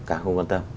càng không quan tâm